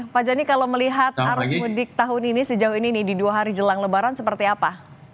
pak joni kalau melihat arus mudik tahun ini sejauh ini di dua hari jelang lebaran seperti apa